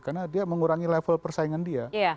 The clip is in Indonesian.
karena dia mengurangi level persaingan dia